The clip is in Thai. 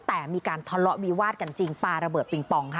แต่มีการทะเลาะวิวาดกันจริงปลาระเบิดปิงปองค่ะ